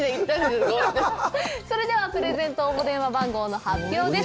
それではプレゼント応募電話番号の発表です。